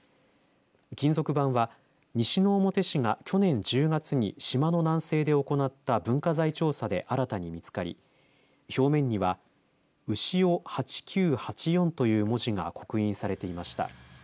金属板は西之表市が去年１０月に島の南西で行った文化財調査で新たに見つかり表面には潮八九八四という文字が刻印されていました。